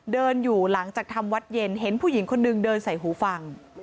เดินอยู่หลังจากทำวัดเย็นเห็นผู้หญิงคนนึงเดินใส่หูฟัง